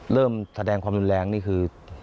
เริ่มแสดงความรุนแรงนี่คือ